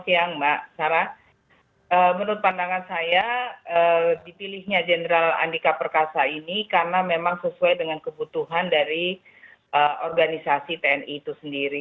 siang mbak sarah menurut pandangan saya dipilihnya jenderal andika perkasa ini karena memang sesuai dengan kebutuhan dari organisasi tni itu sendiri